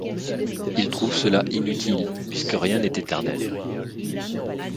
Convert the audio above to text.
Ils trouvent cela inutile puisque rien n'est éternel.